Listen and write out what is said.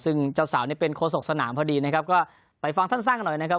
ซึ่งเจ้าสาวเนี่ยเป็นโฆษกสนามพอดีนะครับก็ไปฟังสั้นหน่อยนะครับ